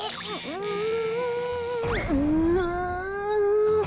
うん。